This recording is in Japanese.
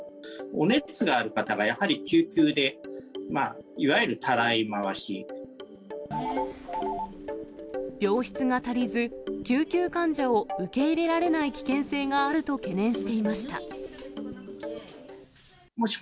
お熱がある方がやはり救急で、病室が足りず、救急患者を受け入れられない危険性があると懸念していました。